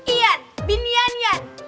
ian binian ian